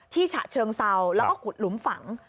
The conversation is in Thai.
ฉะเชิงเซาแล้วก็ขุดหลุมฝัง